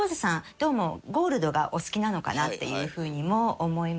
どうもゴールドがお好きなのかな？っていうふうにも思いまして。